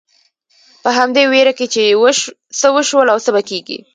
په همدې وېره کې چې څه وشول او څه به کېږي.